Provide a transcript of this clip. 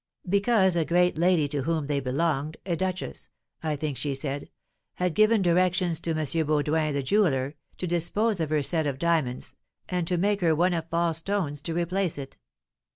"Because a great lady to whom they belonged a duchess, I think she said had given directions to M. Baudoin, the jeweller, to dispose of her set of diamonds, and to make her one of false stones to replace it.